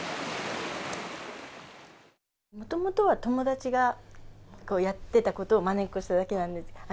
もともとは友達がやってたことをまねっこしただけなんです。